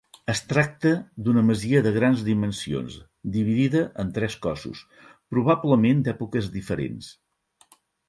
Es tracta d'una masia de grans dimensions dividida en tres cossos, probablement d'èpoques diferents.